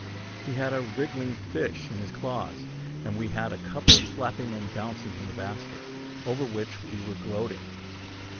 He had a wriggling fish in his claws; and we had a couple flapping and bouncing in the basket, over which we were gloating.